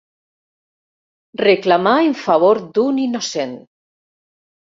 Reclamar en favor d'un innocent.